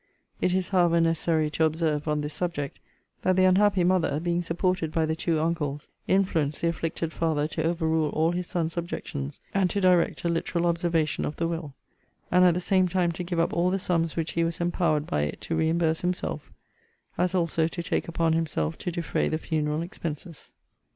It is, however, necessary to observe, on this subject, that the unhappy mother, being supported by the two uncles, influenced the afflicted father to over rule all his son's objections, and to direct a literal observation of the will; and at the same time to give up all the sums which he was empowered by it to reimburse himself; as also to take upon himself to defray the funeral expenses.